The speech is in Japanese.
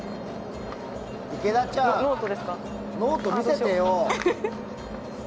池田ちゃん、ノート見せてよ！